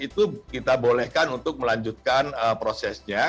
itu kita bolehkan untuk melanjutkan prosesnya